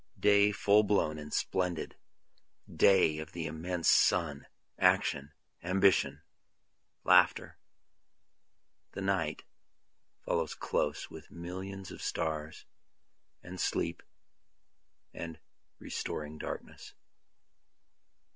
Day full blown and splendid day of the immense sun, action, ambition, laughter, The Night follows close with millions of suns, and sleep and restoring darkness.